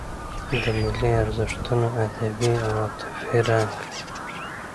د ملي ارزښتونو ادبي او عاطفي رنګ.